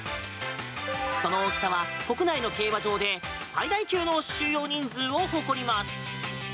その大きさは国内の競馬場で最大級の収容人数を誇ります。